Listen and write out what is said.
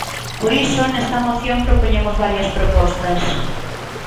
Por iso nesta moción propoñemos varias propostas.